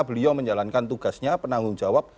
beliau menjalankan tugasnya penanggung jawab